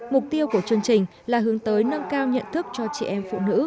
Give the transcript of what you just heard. mục tiêu của chương trình là hướng tới nâng cao nhận thức cho chị em phụ nữ về vai trò của du lịch